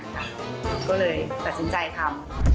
ก็เลยตัดสินใจทำ